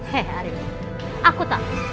hei ari aku tahu